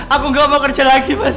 aku gak mau kerja lagi mas